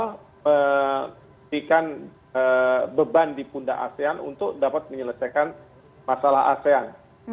kita berikan beban di pundak asean untuk dapat menyelesaikan masalah asean